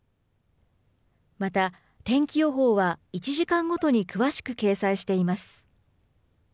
また、天気予報は１時間ごとに詳しく掲載しています。